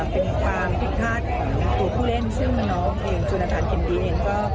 เป็นความผิดพลาดของตัวผู้เล่นซึ่งน้องเองจนทานเข็มดีเองก็